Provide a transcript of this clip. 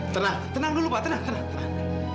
tenang tenang dulu pak tenang tenang